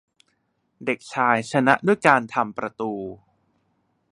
เด็กชายชนะด้วยการทำประตู